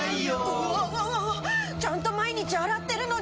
うわわわわちゃんと毎日洗ってるのに。